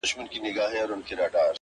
چي دغه وينه لږه وچه سي باران يې يوسي;